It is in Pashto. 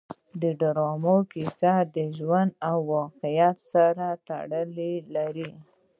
د ډرامو کیسې د ژوند له واقعیت سره تړاو لري.